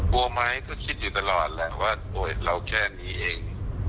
กลัวไหมก็คิดอยู่ตลอดแหละว่าตัวเราแค่นี้เอง